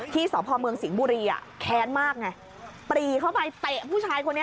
สพเมืองสิงห์บุรีอ่ะแค้นมากไงปรีเข้าไปเตะผู้ชายคนนี้